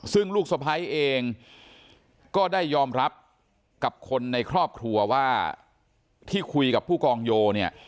ซึ่งลูกสะพ้ายเองก็ได้ยอมรับกับคนในครอบครัวว่าที่คุยกับผู้กองโยเนี่ย